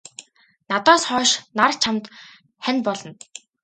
Надаас хойш нар чамд хань болно.